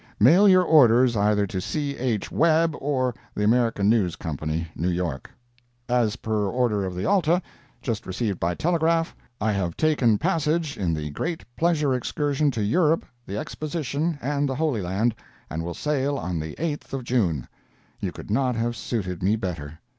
Mail your orders either to C. H. Webb or the American News Company, New York. As per order of the ALTA, just received by telegraph, I have taken passage in the great pleasure excursion to Europe, the Exposition and the Holy Land, and will sail on the 8th of June. You could not have suited me better.